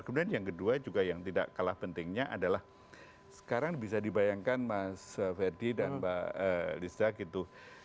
kemudian yang kedua juga yang tidak kalah pentingnya adalah sekarang bisa dibayangkan mas ferdi dan mbak lisa gitu